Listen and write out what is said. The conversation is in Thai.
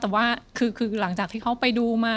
แต่ว่าคือหลังจากที่เขาไปดูมา